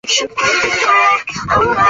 日本战国时代中期的阵旗多为方形旗。